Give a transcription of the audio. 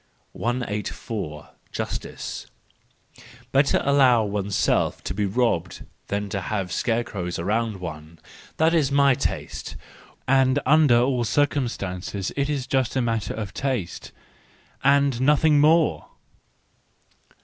184. Justice .—Better allow oneself to be robbed than have scarecrows around one—that is my taste. And under all circumstances it is just a matter of taste—and nothing more